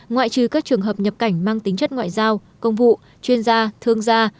ngoại trừ các trường hợp nhập cảnh mang tính chất ngoại giao công vụ chuyên gia thương gia